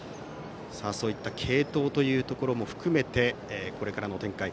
継投というところも含めてこれからの展開。